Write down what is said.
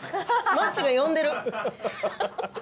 ハハハハハ。